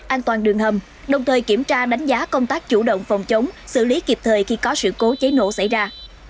an toàn đường hầm đồng thời kiểm tra đánh giá công tác chủ động phòng chống xử lý kịp thời khi có sự cố cháy nổ xảy ra